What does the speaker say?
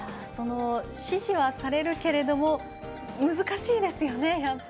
その指示はされるけれども難しいですよね